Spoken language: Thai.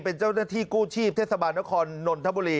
เป็นเจ้าหน้าที่กู้ชีพเทศบาลนครนนทบุรี